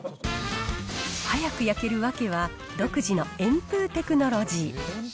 早く焼ける訳は、独自の炎風テクノロジー。